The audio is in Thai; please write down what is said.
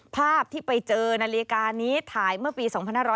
ภาพที่ไปเจอนาฬิกานี้ถ่ายเมื่อปี๒๕๕๙